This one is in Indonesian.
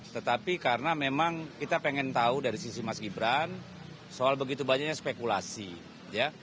tetapi karena memang kita pengen tahu dari sisi mas gibran soal begitu banyaknya spekulasi ya